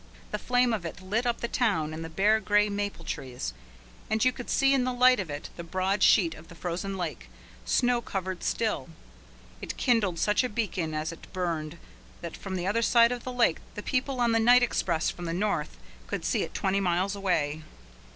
The flame of it lit up the town and the bare grey maple trees, and you could see in the light of it the broad sheet of the frozen lake, snow covered still. It kindled such a beacon as it burned that from the other side of the lake the people on the night express from the north could see it twenty miles away.